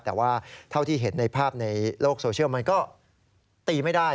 แต่ว่าเท่าที่เห็นในภาพในโลกโซเชียลมันก็ตีไม่ได้